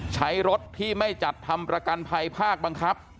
ใช้รถที่ไม่จัดทำประกันภัยภาคบังคับ